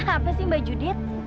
apa sih mbak judit